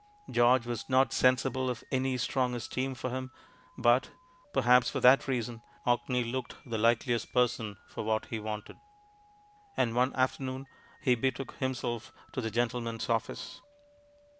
George was not sensible of any strong esteem for him, but — perhaps for that reason — Orkney looked the likeliest person for what he wanted ; and one afternoon he betook himself to the gentleman's office.